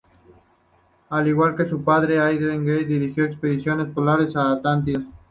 Al igual que su padre Adrien de Gerlache, dirigió expediciones polares a la Antártida.